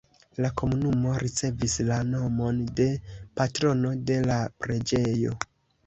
La komunumo ricevis la nomon de patrono de la preĝejo.